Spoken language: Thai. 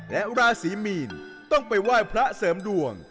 และราศีมีนต้องไปไหว้พระเสริมดวง